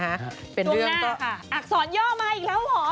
ช่วงหน้าค่ะเป็นเรื่องอักษรย่อมาอีกแล้วเหรอ